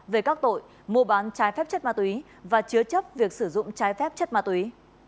về các tội mua bán trái phép chất ma túy và chứa chấp việc sử dụng trái phép chất ma túy